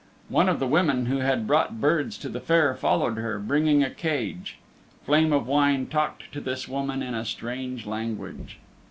One of the women who had brought birds to the Fair followed her, bringing a cage. Flame of Wine talked to this woman in a strange language.